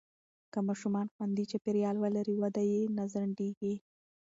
که ماشومان خوندي چاپېریال ولري، وده یې نه ځنډېږي.